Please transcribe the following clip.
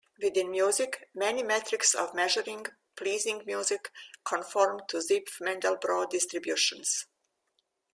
Within music, many metrics of measuring "pleasing" music conform to Zipf-Mandelbrot distributions.